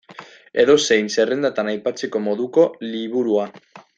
Edozein zerrendatan aipatzeko moduko liburua.